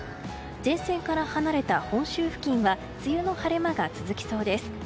前線から離れた本州付近は梅雨の晴れ間が続きそうです。